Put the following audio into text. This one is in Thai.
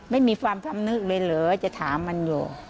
ไม่มีความพำนึกเลยเหรอจะถามมันอยู่